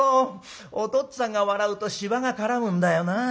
おとっつぁんが笑うとしわが絡むんだよなあ。